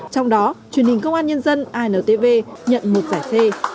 trong đó truyền hình công an nhân dân intv nhận một giải c